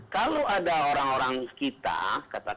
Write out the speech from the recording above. kalau ada orang orang kita